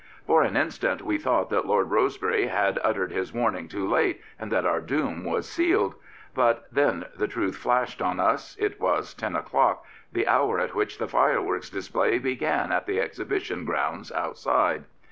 For an instant we thought that Lord Rosebery had uttered his warning too late and that our doom was sealed. But then the truth flashed on us. It was ten o'clock — the hour at which the fireworks display began in the Exhibition grounds outside.